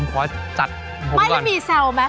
ไม่ถึงมีแซวมั้ย